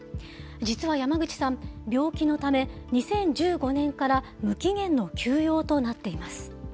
実は山口さん、病気のため、２０１５年から無期限の休養となっています。